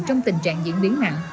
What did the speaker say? trong tình trạng diễn biến nặng